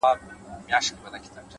علم د پرمختګ لارې جوړوي؛